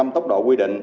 năm tốc độ quy định